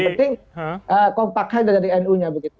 yang penting kompaknya dari nu nya begitu